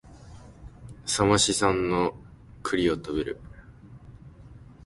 笠間市産の栗を食べる